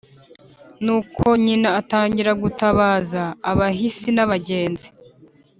nuko nyina atangira gutabaza abahisi n'abagenzi